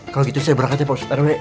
kalau gitu saya berangkat ya pak ust rw